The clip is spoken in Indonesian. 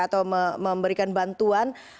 atau memberikan bantuan